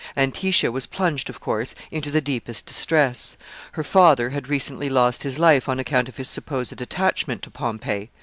Antistia was plunged, of course, into the deepest distress. Her father had recently lost his life on account of his supposed attachment to Pompey.